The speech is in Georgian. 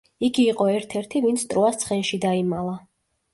იგი იყო ერთ-ერთი, ვინც ტროას ცხენში დაიმალა.